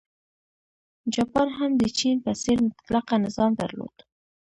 جاپان هم د چین په څېر مطلقه نظام درلود.